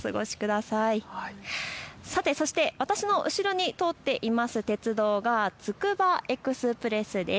さて、そして私の後ろに通っていいます鉄道がつくばエクスプレスです。